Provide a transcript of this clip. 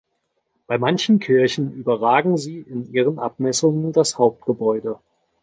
Bei manchen Kirchen überragen sie in ihren Abmessungen das Hauptgebäude.